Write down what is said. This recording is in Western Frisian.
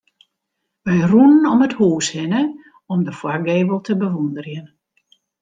Wy rûnen om it hús hinne om de foargevel te bewûnderjen.